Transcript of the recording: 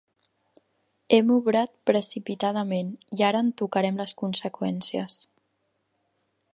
Hem obrat precipitadament, i ara en tocarem les conseqüències.